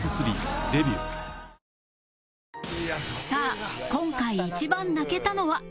さあ今回一番泣けたのは？